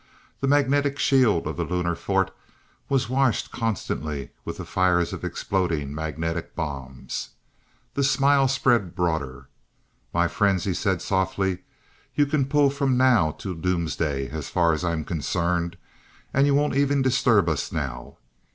The magnetic shield of the Lunar Fort was washed constantly with the fires of exploding magnetic bombs. The smile spread broader. "My friends," he said softly, "you can pull from now till doomsday as far as I'm concerned, and you won't even disturb us now."